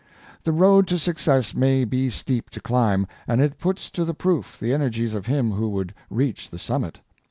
The road to success may be steep to climb, and it puts to the proof the energies of him who would reach the summit.